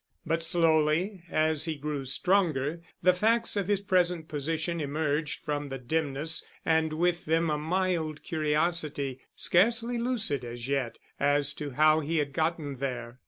But slowly, as he grew stronger, the facts of his present position emerged from the dimness and with them a mild curiosity, scarcely lucid as yet, as to how he had gotten there.